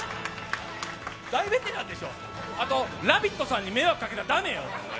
大ベテランでしょ、あと、「ラヴィット！」さんに迷惑かけちゃ駄目よ。